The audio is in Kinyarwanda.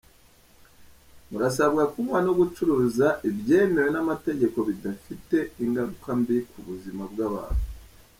Murasabwa kunywa no gucuruza ibyemewe n’amategeko bidafite ingaruka mbi ku buzima bw’abantu.